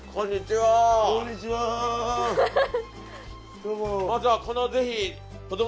どうも。